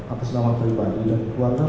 atas nama pribadi dan keluarga